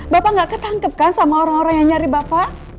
bapak nggak ketangkep kan sama orang orang yang nyari bapak